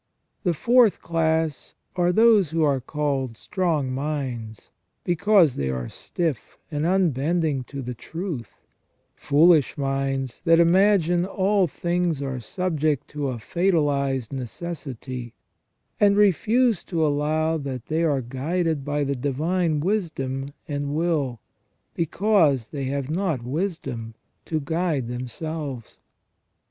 The fourth class are those who are called strong minds, because they are stiff and unbending to the truth ; foolish minds, that imagine all things are subject to a fatalized necessity, and refuse to allow that they are guided by the divine wisdom and will, because they have not wisdom to guide themselves.